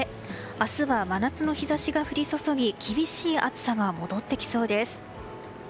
明日は真夏の日差しが降り注ぎ厳しい暑さが戻ってきそうです。